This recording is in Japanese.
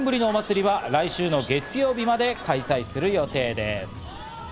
３年ぶりのお祭りは来週の月曜日まで開催する予定です。